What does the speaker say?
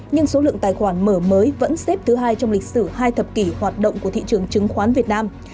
nhưng số lượng tài khoản mở mới vẫn xếp thứ hai trong lịch sử hai thập kỷ hoạt động của thị trường chứng khoán việt nam